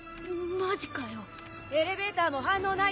マジかよ！